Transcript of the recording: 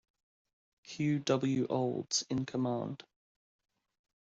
Hugh W. Olds in command.